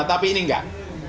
tapi ini enggak